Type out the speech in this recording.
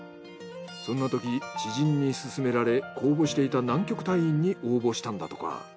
そんな時知人に勧められ公募していた南極隊員に応募したんだとか。